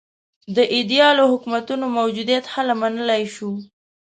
د ایدیالو حکومتونو موجودیت هله منلای شو.